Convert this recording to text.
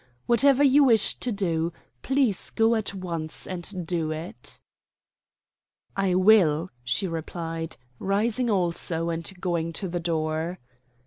"Whatever you wish to do, please go at once and do it." "I will," she replied, rising also and going to the door.